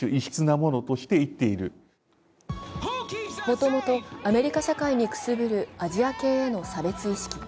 もともとアメリカ社会にくすぶるアジア系への差別意識。